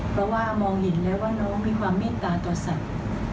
เพราะว่ามองเห็นแล้วว่าน้องมีความเมตตาต่อสัตว์